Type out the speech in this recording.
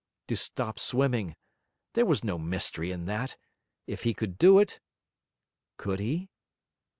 To stop swimming: there was no mystery in that, if he could do it. Could he?